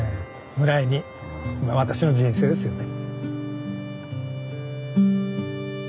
ぐらいに私の人生ですよね。